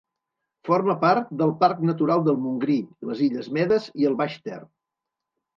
Forma part del Parc Natural del Montgrí, les Illes Medes i el Baix Ter.